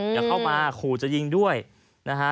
อย่าเข้ามาขู่จะยิงด้วยนะฮะ